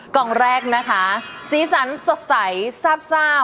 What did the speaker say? กล่องแรกนะคะสีสันสดใสซาบ